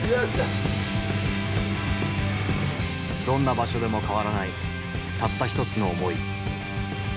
どんな場所でも変わらないたった一つの思い。